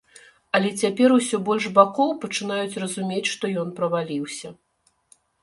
Але цяпер усё больш бакоў пачынаюць разумець, што ён праваліўся.